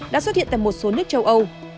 đã xuất hiện tại một số nước châu âu